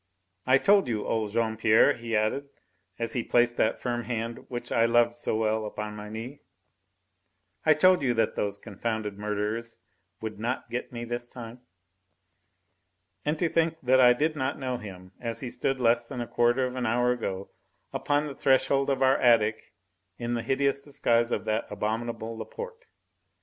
"I told you, old Jean Pierre," he added, as he placed that firm hand which I loved so well upon my knee, "I told you that those confounded murderers would not get me this time." And to think that I did not know him, as he stood less than a quarter of an hour ago upon the threshold of our attic in the hideous guise of that abominable Laporte.